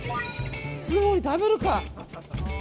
素直に食べるか。